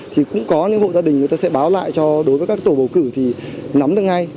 thì cũng có những hộ gia đình người ta sẽ báo lại cho đối với các tổ bầu cử thì nắm được ngay